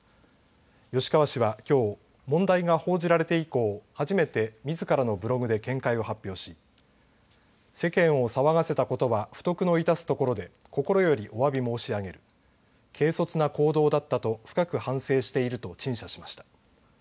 吉川氏は、きょう問題が報じられて以降初めてみずからのブログで見解を発表し世間を騒がせたことは不徳のいたすところで心よりおわび申し上げる軽率な行動だったと深く反省していると陳謝しました。